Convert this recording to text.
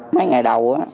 mấy ngày đầu